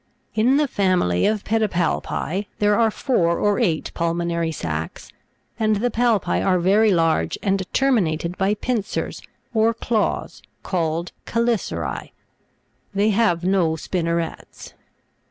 26. In the FAMILY OF PEDIPALPI, there are four or eight pul monary sacs, and the palpi are very large and terminated by pin cers or claws, called cheli'cerce (c). They have no spinnerets.